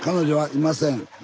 「いません」